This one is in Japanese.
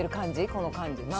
この感じ。